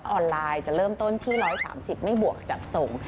ออนไลน์จะเริ่มต้นที่๑๓๐ไม่บวกจัดส่ง